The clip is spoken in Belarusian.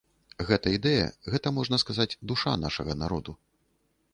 Гэта ідэя, гэта, можна сказаць, душа нашага народу.